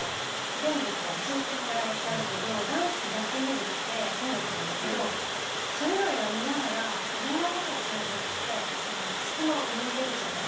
全部教えてもらえちゃうけどダンスだけ見るって音楽もだけどそれぞれが見ながらいろんなことを想像して隙間を埋めれるじゃない？